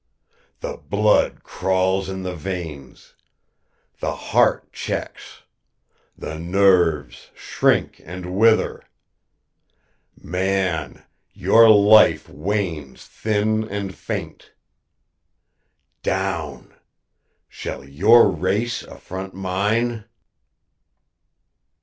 The blood crawls in the veins, the heart checks, the nerves shrink and wither man, your life wanes thin and faint. Down shall your race affront mine?"